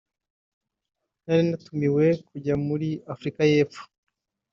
“Nari natumiwe kujya muri Afurika y’Epfo